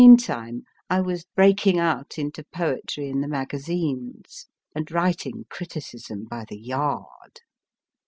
Meantime, I was breaking out into poetry in the magazines, and writing criticism by the yard.